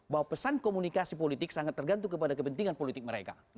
bahwa pesan komunikasi politik sangat tergantung kepada kepentingan politik mereka